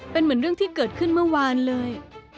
เป็นเหมือนเรื่องที่เกิดขึ้นเมื่อวานเลย